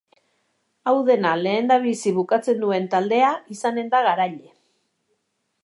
Hau dena lehendabizi bukatzen duen taldea izanen da garaile.